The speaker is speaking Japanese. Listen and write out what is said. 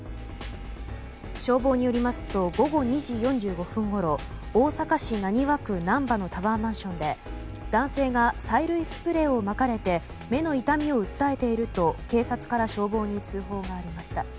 消防によりますと午後２時４５分ごろ大阪市浪速区難波のタワーマンションで男性が催涙スプレーをまかれて目の痛みを訴えると警察から消防に通報がありました。